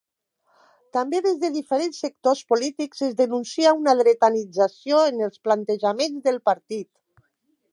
També des de diferents sectors polítics es denuncia una dretanització en els plantejaments del partit.